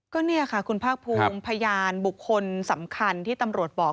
ก็เนี่ยค่ะคุณภาคภูมิพยานบุคคลสำคัญที่ตำรวจบอก